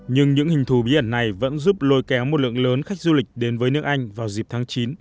nhưng những hình thù bí ẩn này vẫn giúp lôi kéo một lượng lớn khách du lịch đến với nước anh vào dịp tháng chín